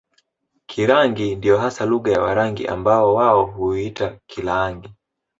Kirangi ndiyo hasa lugha ya Warangi ambayo wao huiita Kilaangi